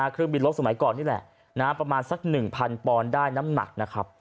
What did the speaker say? เครื่องบินลบสมัยก่อนนี่แหละประมาณสัก๑๐๐ปอนด์ได้น้ำหนักนะครับ